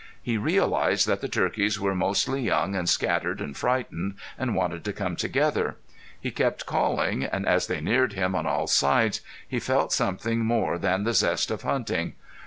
He realized that the turkeys were mostly young and scattered, and frightened, and wanted to come together. He kept calling, and as they neared him on all sides he felt something more than the zest of hunting.